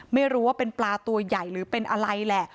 ไม่รู้ว่าเป็นปลาตัวใหญ่หรือเป็นอะไรแหละ